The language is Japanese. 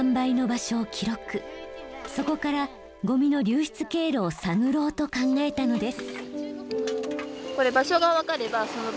そこからゴミの流出経路を探ろうと考えたのです。